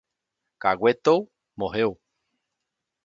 Caguetou, morreu